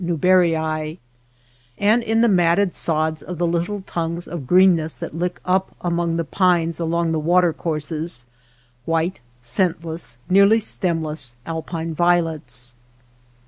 Newbcrryii, and in the matted sods of the little tongues of green 216 i WATER BORDERS ness that lick up among the pines along the watercourses, white, scentless, nearly stemless, alpine violets.